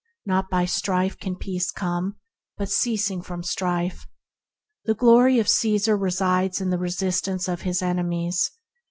Not by strife can peace come, but by ceasing from strife. The glory of Caesar resides in the resistance of his enemies.